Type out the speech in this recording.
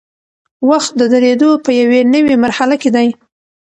وخت د درېدو په یوې نوي مرحله کې دی.